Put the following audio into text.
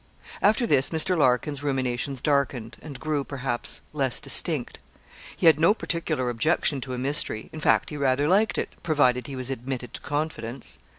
After this Mr. Larkin's ruminations darkened, and grew, perhaps, less distinct. He had no particular objection to a mystery. In fact, he rather liked it, provided he was admitted to confidence.